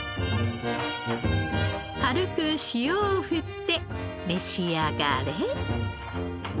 軽く塩を振って召し上がれ。